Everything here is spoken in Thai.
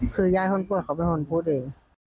คือยายคนป่วยเขาเป็นคนพูดเอง